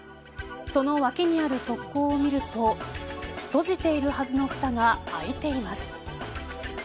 その脇にある側溝を見ると閉じているはずのふたが開いています。